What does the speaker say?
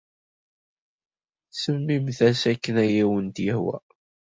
Semmimt-as akken ay awent-yehwa.